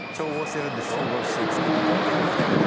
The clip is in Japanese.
本格派だよね。